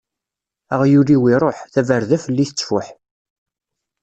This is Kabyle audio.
Aɣyul-iw iṛuḥ, tabarda fell-i tettfuḥ.